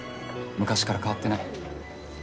昔から変わってない。